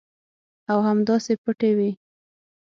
او همداسې پټې وي.